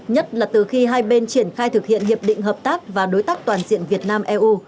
nhất là từ khi hai bên triển khai thực hiện hiệp định hợp tác và đối tác toàn diện việt nam eu